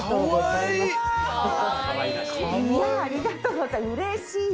うれしい。